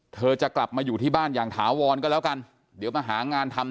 เธอจะกลับมาอยู่ที่บ้านอย่างถาวรก็แล้วกันเดี๋ยวมาหางานทำ